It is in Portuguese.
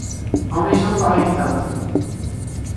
Homens não correm tanto.